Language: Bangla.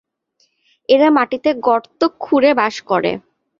এরা মাটিতে গর্ত খুঁড়ে বাস করে।